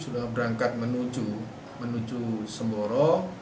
sudah berangkat menuju semboro